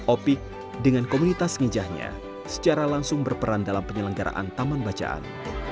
opik dengan komunitas ngejahnya secara langsung berperan dalam penyelenggaraan taman bacaan